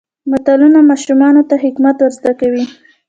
متلونه ماشومانو ته حکمت ور زده کوي.